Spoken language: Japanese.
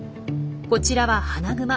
こちらはハナグマ。